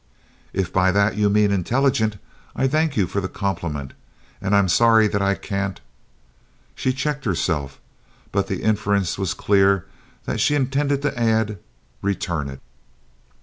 "If by that you mean intelligent, I thank you for the compliment, and I'm sorry that I can't " She checked herself, but the inference was clear that she intended to add "return it."